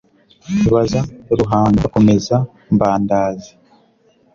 Baza Ruhanga bakomeza Mbandazi